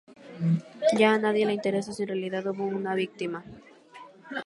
Ya a nadie le interesa si en realidad hubo una víctima".